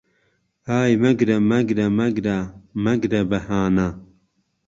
ئای مهگره مهگره مهگره مهگره بههانه